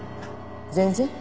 全然。